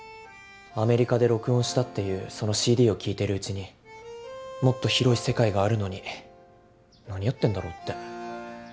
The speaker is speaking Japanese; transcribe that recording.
アメリカで録音したっていうそのＣＤを聴いてるうちにもっと広い世界があるのに何やってんだろって。